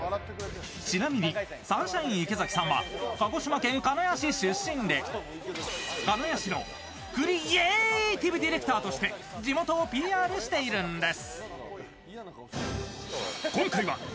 ちなみにサンシャイン池崎さんは鹿児島県鹿屋市出身でクリイエェェェーイティブディレクターとして地元をＰＲしているんです。